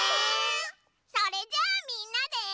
それじゃあみんなで。